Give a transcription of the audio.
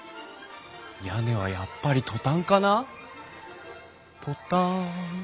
屋根はやっぱりトタンかな？